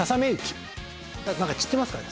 なんか散ってますからね。